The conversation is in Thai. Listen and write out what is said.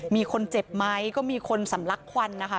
มีคนเจ็บไหมก็มีคนสำลักควันนะคะ